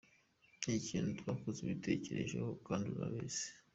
Ni ikintu wakoze utabitekerejeho kandi utabizi.